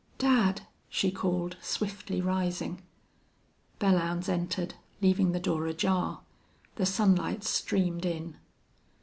"Dad!" she called, swiftly rising. Belllounds entered, leaving the door ajar. The sunlight streamed in.